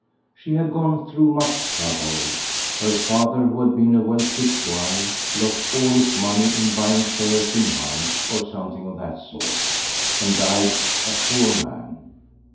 She had gone through much trouble. Her father, who had been a wealthy squire, lost all his money in buying shares in mines, or something of that sort, and died a poor man.